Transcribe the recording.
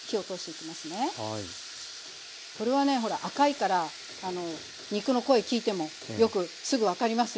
これはねほら赤いから肉の声聞いてもよくすぐ分かりますよね。